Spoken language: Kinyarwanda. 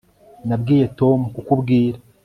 nabwiye tom kukubwira